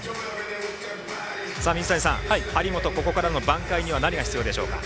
張本、ここからの挽回には何が必要でしょうか？